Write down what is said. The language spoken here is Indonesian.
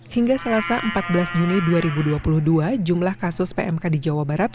hingga selasa empat belas juni dua ribu dua puluh dua jumlah kasus pmk di jawa barat